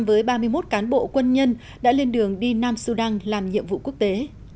với ba mươi một cán bộ quân nhân đã lên đường đi nam sudan làm nhiệm vụ quốc tế